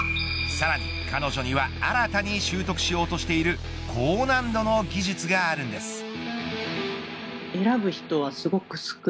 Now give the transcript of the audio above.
さらに彼女には新たに習得しようとしている高難度の技術があるんです。